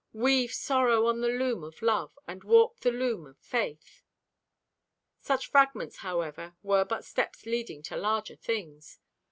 Weave sorrow on the loom of love And warp the loom with faith. Such fragments, however, were but steps leading to larger things.